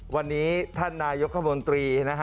วันนี้ท่านนายกคมนตรีนะฮะ